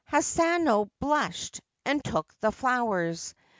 Hanano blushed, and took the flowers.